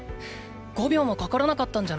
５秒もかからなかったんじゃないか？